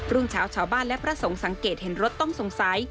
รุ่งเช้าชาวบ้านและพระสงฆ์สังเกตเห็นรถต้องสงสัย